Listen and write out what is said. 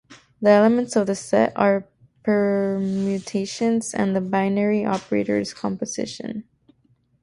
The elements of the set are permutations and the binary operator is composition.